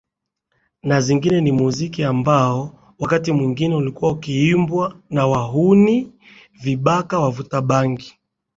na zingine Ni muziki ambao wakati mwingi ulikuwa ukiimbwa na wahuni vibaka wavuta bangi